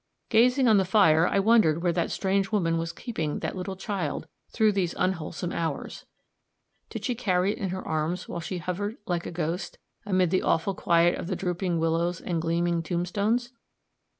Gazing on the fire, I wondered where that strange woman was keeping that little child through those unwholesome hours. Did she carry it in her arms while she hovered, like a ghost, amid the awful quiet of drooping willows and gleaming tombstones?